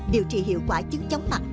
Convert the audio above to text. điều trị hiệu quả chứng chóng mặt